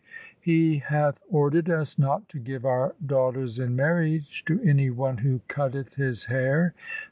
He hath ordered us not to give our daugh ters in marriage to any one who cutteth his hair.